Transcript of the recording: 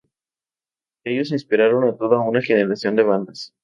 Ellos inspiraron a toda una generación de bandas.